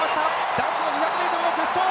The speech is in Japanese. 男子２００ｍの決勝！